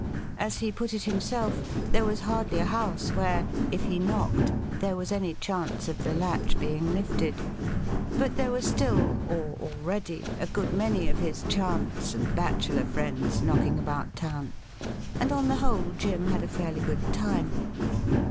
As he put it himself, there was hardly a house where, if he knocked, there was any chance of the latch being lifted. But there were still, or already, a good many of his chance and bachelor friends knocking about town, and on the' whole Jim had a fairly good time.